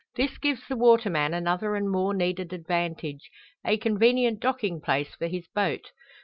This gives the waterman another and more needed advantage a convenient docking place for his boat.